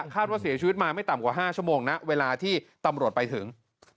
คาดว่าเสียชีวิตมาไม่ต่ำกว่า๕ชั่วโมงนะเวลาที่ตำรวจไปถึง